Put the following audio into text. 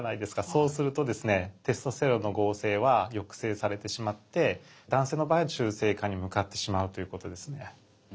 そうするとですねテストステロンの合成は抑制されてしまって男性の場合は中性化に向かってしまうということですね。